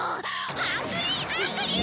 ハングリーアングリー！